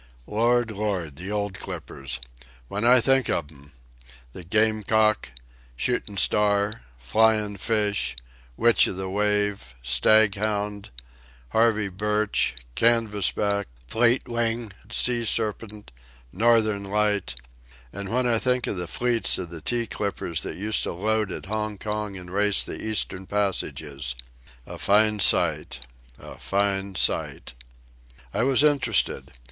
Lord! Lord! The old clippers! When I think of 'em!—The Gamecock, Shootin' Star, Flyin' Fish, Witch o' the Wave, Staghound, Harvey Birch, Canvas back, Fleetwing, Sea Serpent, Northern Light! An' when I think of the fleets of the tea clippers that used to load at Hong Kong an' race the Eastern Passages. A fine sight! A fine sight!" I was interested.